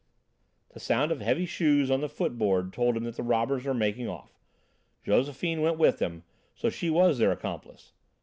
The sound of heavy shoes on the footboard told him that the robbers were making off. Josephine went with them, so she was their accomplice.